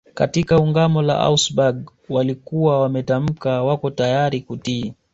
Katika Ungamo la Augsburg walikuwa wametamka wako tayari kutii